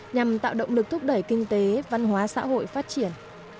nhằm tạo động lực thúc đẩy kinh tế văn hóa xã hội phát triển